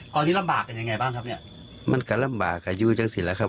ตอนนี้ลำบากกันยังไงบ้างครับเนี้ยมันก็ลำบากอ่ะอยู่จังสิละครับ